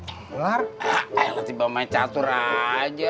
ayolah tiba tiba main catur aja